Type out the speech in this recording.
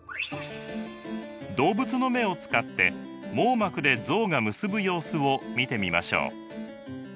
動物の目を使って網膜で像が結ぶ様子を見てみましょう。